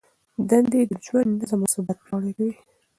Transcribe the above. دندې د ژوند نظم او ثبات پیاوړی کوي.